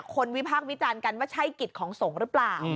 วิพากษ์วิจารณ์กันว่าใช่กิจของสงฆ์หรือเปล่า